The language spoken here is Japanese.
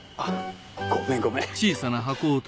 ごめんごめん。